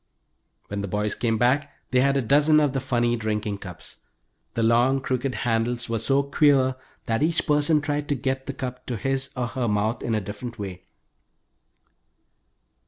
When the boys came back they had a dozen of the funny drinking cups. The long crooked handles were so queer that each person tried to get the cup to his or her mouth in a different way.